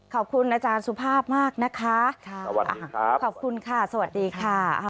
ขอบคุณอาจารย์สุภาพมากนะคะขอบคุณค่ะสวัสดีค่ะสวัสดีครับ